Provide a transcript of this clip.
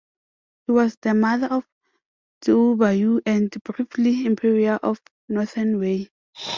She was the mother of Tuoba Yu and briefly Emperor of Northern Wei.